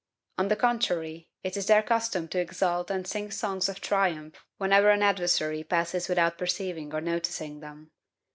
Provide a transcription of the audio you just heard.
On the contrary, it is their custom to exult and sing songs of triumph whenever an adversary passes without perceiving or noticing them.